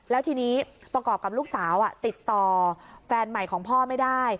แล้วทีนี้ประกอบกับลูกสาวติดต่อแฟนใหม่ของพ่อไม่ได้